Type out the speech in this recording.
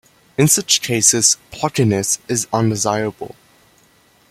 In such cases, blockiness is undesirable.